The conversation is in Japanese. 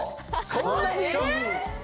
そんなに？